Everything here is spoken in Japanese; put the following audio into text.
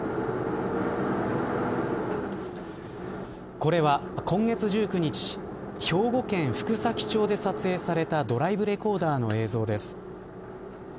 これは今月１９日兵庫県福崎町で撮影されたドライブレコーダーの映像です。